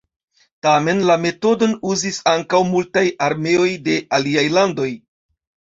Tamen la metodon uzis ankaŭ multaj armeoj de aliaj landoj.